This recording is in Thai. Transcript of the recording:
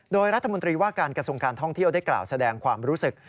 โดยรัฐมนตรีว่าการกระทรวงการท่องเที่ยวได้กล่าวแสดงความรู้สึก